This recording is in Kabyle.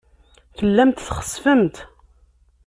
Tellamt txessfemt.